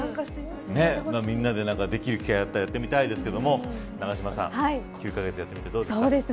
みんなでできる機会があったらやってみたいですけど永島さん。９カ月やってみてどうですか。